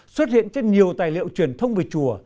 xuất hiện trên nhiều tài liệu truyền thông về chùa